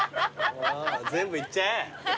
全部いっちゃえ！